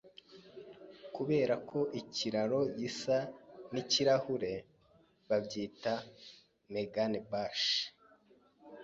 Kubera ko ikiraro gisa nikirahure, babyita Meganebashi.